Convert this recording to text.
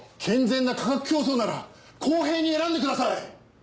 健全な価格競争なら公平に選んでください。